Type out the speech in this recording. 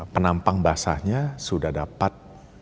penampang basahnya sudah dapat